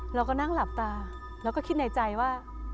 เราก็นั่งหลับตาแล้วก็คิดในใจว่า